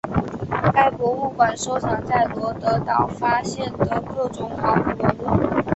该博物馆收藏在罗得岛发现的各种考古文物。